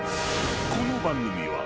［この番組は矢部。